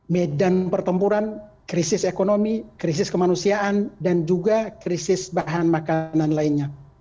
medan pertempuran krisis ekonomi krisis kemanusiaan dan juga krisis bahan makanan lainnya